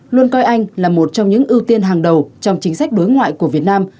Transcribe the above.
luôn coi anh là một trong những ưu tiên hàng đầu trong chính sách đối ngoại của việt nam